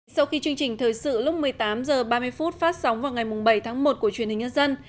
sau khi chương trình thời sự lúc một mươi tám h ba mươi phát sóng vào ngày bảy tháng một của truyền hình nhân dân